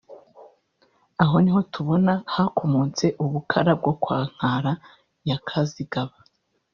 Aha niho tubona hakomotse ubukara bwo kwa Nkara ya Kazigaba